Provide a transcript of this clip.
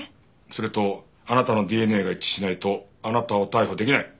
それとあなたのＤＮＡが一致しないとあなたを逮捕できない。